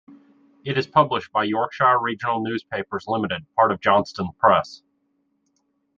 It is published by Yorkshire Regional Newspapers Limited, part of Johnston Press.